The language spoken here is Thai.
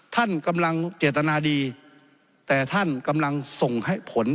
ท่านกำลังเจตนาดีแต่ท่านกำลังส่งให้ผล